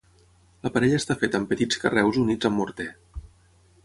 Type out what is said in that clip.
L'aparell està fet amb petits carreus units amb morter.